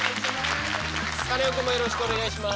カネオくんもよろしくお願いします。